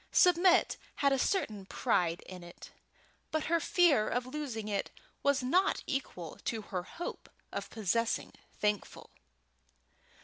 Submit had a certain pride in it, but her fear of losing it was not equal to her hope of possessing Thankful.